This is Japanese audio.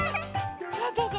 さあどうぞ。